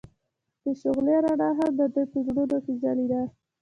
د شعله رڼا هم د دوی په زړونو کې ځلېده.